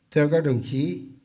theo các đồng chí